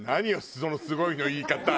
その「すごい」の言い方。